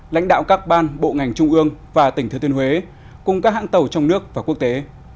lãnh đạo các ban bộ ngành trung ương và tỉnh thứ thiên huế cùng các hãng tàu trong nước và quốc tế